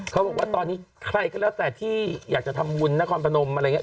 เขาบอกว่าตอนนี้ใครก็แล้วแต่ที่อยากจะทำบุญนครพนมอะไรอย่างนี้